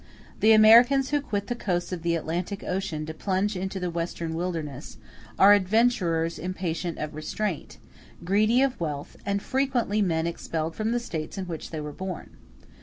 The Americans who quit the coasts of the Atlantic Ocean to plunge into the western wilderness, are adventurers impatient of restraint, greedy of wealth, and frequently men expelled from the States in which they were born.